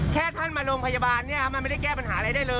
แค่ท่านมาโรงพยาบาลเนี่ยมันไม่ได้แก้ปัญหาอะไรได้เลย